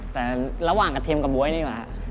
แต่ระหว่างกระเทียมกับบ๊วยดีกว่า